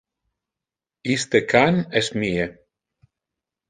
Iste can es mie.